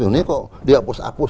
ini kok dihapus hapus